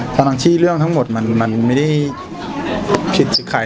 ทั้งที่เรื่องทั้งหมดมันไม่ได้ผิดจากใคร